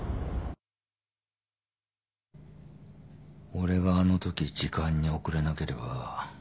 俺があのとき時間に遅れなければ。